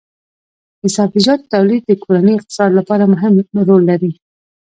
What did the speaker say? د سبزیجاتو تولید د کورني اقتصاد لپاره مهم رول لري.